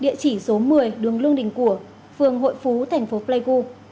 địa chỉ số một mươi đường lương đình của phường hội phú thành phố pleiku